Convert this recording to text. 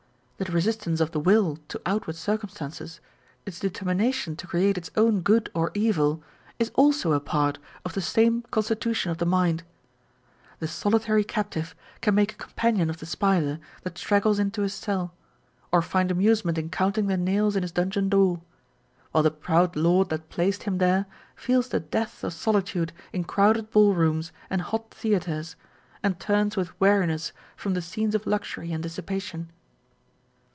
The resistance of the will to outward circumstances, its determination to create its own good or evil, is also a part of the same constitution of the mind. The solitary captive can make a companion of the spider that straggles into his cell, or find amusement in counting the nails in his clungeon door ; while the proud lord that placed him there feels the depth of solitude in crowded ball rooms and hot theatres, and turns with weariness from the scenes of luxury and dissipation.